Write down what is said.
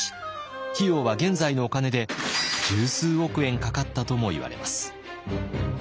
費用は現在のお金で十数億円かかったともいわれます。